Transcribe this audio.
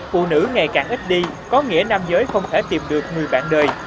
phụ nữ ngày càng ít đi có nghĩa nam giới không thể tìm được người bạn đời